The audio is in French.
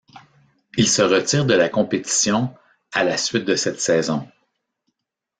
Il se retire de la compétition à la suite de cette saison.